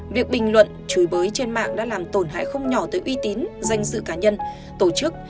việc bình luận chửi bới trên mạng đã làm tổn hại không nhỏ tới uy tín danh dự cá nhân tổ chức